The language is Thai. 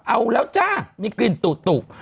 เอาแล้วจ้ามีกลิ่นตุ